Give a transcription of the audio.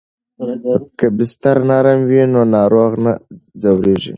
که بستر نرم وي نو ناروغ نه ځورېږي.